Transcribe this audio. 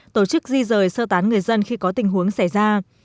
tổ chức di rời sơ tán người dân khi có tình huống xảy ra